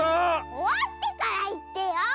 おわってからいってよ！